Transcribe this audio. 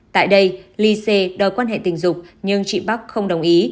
tại đây lee se đòi quan hệ tình dục nhưng chị park không đồng ý